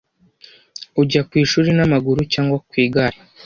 Ujya ku ishuri n'amaguru cyangwa ku igare?